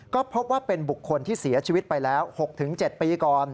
ก็พบว่าเป็นบุคคลที่เสียชีวิตไปแล้ว๖๗ปีก่อน